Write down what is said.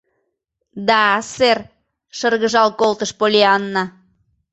— Да, сэр, — шыргыжал колтыш Поллианна.